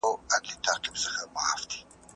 د لږکیو ږغ باید په رسنیو کي واوریدل سي.